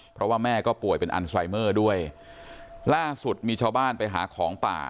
เพราะว่าแม่ก็ป่วยเป็นอันไซเมอร์ด้วยล่าสุดมีชาวบ้านไปหาของป่า